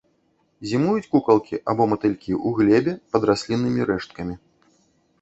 Зімуюць кукалкі або матылькі ў глебе пад расліннымі рэшткамі.